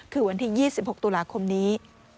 คือวันที่๒๖ตุลาคมนี้